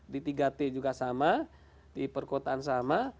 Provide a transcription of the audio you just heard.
di tiga t juga sama di perkotaan sama